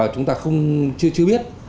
chúng ta không chưa biết